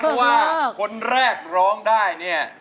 เพราะว่าคนแรกร้องได้เนี่ย